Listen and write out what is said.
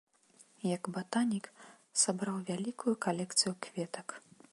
Як батанік, сабраў вялікую калекцыю кветак.